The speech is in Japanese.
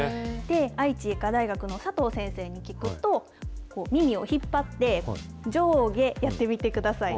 愛知医科大学の佐藤先生に聞くと、耳を引っ張って、上下やってみてください。